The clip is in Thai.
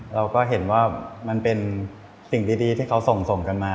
เราก็เห็นว่ามันเป็นสิ่งดีที่เขาส่งกันมา